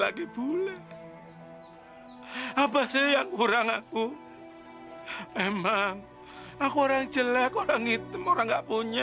aku orang jelek orang hitam orang gak punya